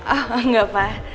oh enggak pak